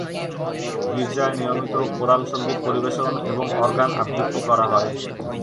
গির্জায় নিয়মিত কোরাল সঙ্গীত পরিবেশন এবং অর্গান আবৃত্তি করা হয়।